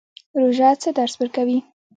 روژه څه درس ورکوي؟